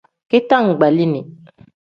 Bitangbalini.